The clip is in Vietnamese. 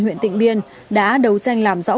huyện tịnh biên đã đấu tranh làm rõ